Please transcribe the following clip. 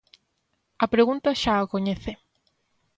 A pregunta xa a coñece.